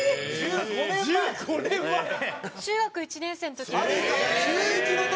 中学１年生の時。